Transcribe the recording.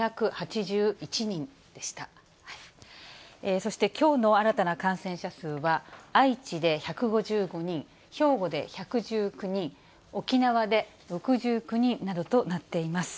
そしてきょうの新たな感染者数は、愛知で１５５人、兵庫で１１９人、沖縄で６９人などとなっています。